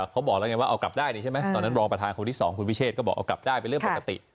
เขาบอกแล้วไงว่าเอากลับได้นี่ใช่ไหมตอนนั้นรองประธานคนที่สองคุณวิเชษก็บอกเอากลับได้เป็นเรื่องปกติ